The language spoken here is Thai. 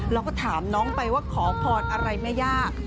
เราก็ถามน้องไปว่าขอพรอะไรไม่ยาก